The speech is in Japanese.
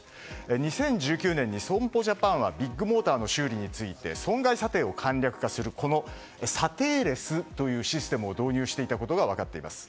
２０１９年に損保ジャパンはビッグモーターの修理について損害査定を簡略化する査定レスというシステムを導入していたことが分かっています。